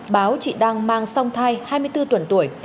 báo chị đang mang song thai hai mươi bốn tuần tuổi